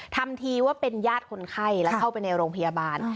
ทำทีว่าเป็นญาติคนไข้แล้วเข้าไปในโรงพยาบาล